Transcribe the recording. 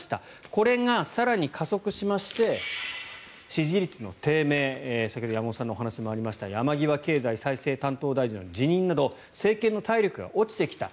これが更に加速しまして支持率の低迷先ほどの山本さんのお話にもありました山際経済再生担当大臣の辞任など政権の体力が落ちてきた。